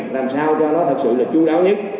làm sao cho nó thật sự là chú đáo nhất